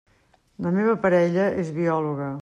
La meva parella és biòloga.